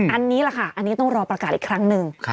อันนี้แหละค่ะอันนี้ต้องรอประกาศอีกครั้งหนึ่ง